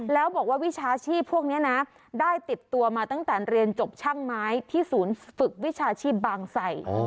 แล้วบอกว่าวิชาชีพพวกนี้นะได้ติดตัวมาตั้งแต่เรียนจบช่างไม้ที่ศูนย์ฝึกวิชาชีพบางใส่